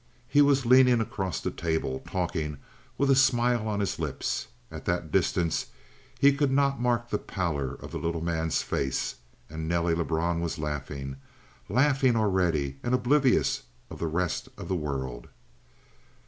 He was leaning across the table, talking with a smile on his lips at that distance he could not mark the pallor of the little man's face and Nelly Lebrun was laughing. Laughing already, and oblivious of the rest of the world.